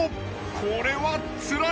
これはつらい！